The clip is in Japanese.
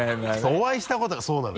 お会いしたことがそうなのよ。